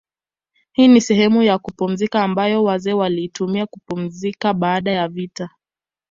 Hii ni sehemu ya kupumzika ambayo wazee waliitumia kupumzika baada ya vita